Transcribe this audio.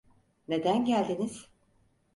Neden geldiniz?